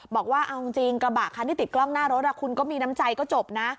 บอกว่าเอาจริงกระบะคันที่ติดกล้องหน้ารถคุณก็มีน้ำใจก็จบนะ